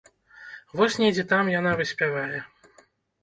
Вось недзе там яна выспявае.